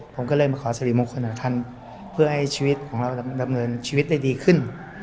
ผมก็เลยมาขอสิริมงคลกับท่านเพื่อให้ชีวิตของเราดำเนินชีวิตได้ดีขึ้น